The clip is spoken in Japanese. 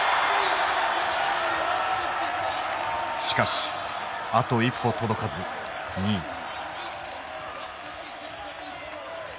しかしあと一歩届かず２位。